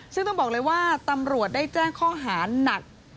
ซึ่งต้องบอกเลยว่าตำรวจได้แจ้งข้อหานัก